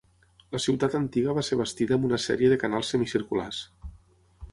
La ciutat antiga va ser bastida amb una sèrie de canals semicirculars.